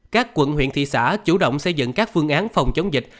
các quận huyện thị xã chủ động xây dựng các phương án phòng chống dịch